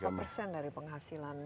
kira kira berapa persen dari penghasilan